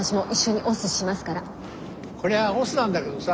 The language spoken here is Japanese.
こりゃ押忍なんだけどさ。